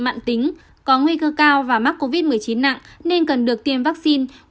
mạng tính có nguy cơ cao và mắc covid một mươi chín nặng nên cần được tiêm vaccine